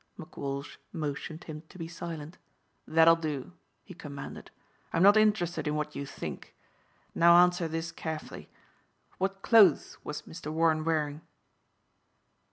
McWalsh motioned him to be silent. "That'll do," he commanded, "I'm not interested in what you think. Now answer this carefully. What clothes was Mr. Warren wearing?"